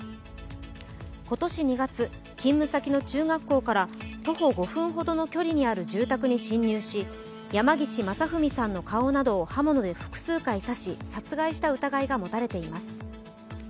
今年２月、勤務先の中学校から徒歩５分ほどの距離にある住宅に侵入し山岸正文さんの顔などを刃物で複数回刺し殺害した疑いが持たれています。